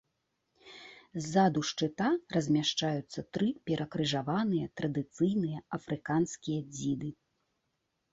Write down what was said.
Ззаду шчыта размяшчаюцца тры перакрыжаваныя традыцыйныя афрыканскія дзіды.